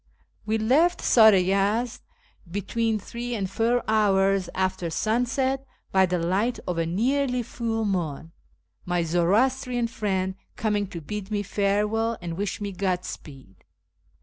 We left Sar i Yezd between three and four hours after sunset by the light of a nearly full moon, my Zoroastrian friend coming to bid me farewell and wish me Godspeed.